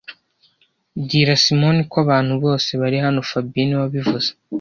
Bwira Simoni ko abantu bose bari hano fabien niwe wabivuze